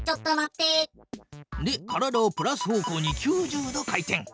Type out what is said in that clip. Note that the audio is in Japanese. で体をプラス方向に９０度回転。